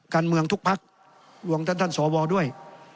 การเมืองทุกพรรคหลวงท่านสวดด้วย